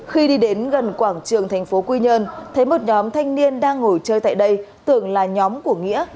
khi đi đến gần quảng trường thành phố quy nhơn thấy một nhóm thanh niên đang ngồi chơi tại đây tưởng là nhóm của nghĩa